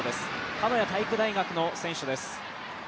鹿屋体育大学の選手です。